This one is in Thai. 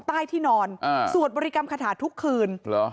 ใต้ที่นอนอ่าสวดบริกรรมคาถาทุกคืนเหรอ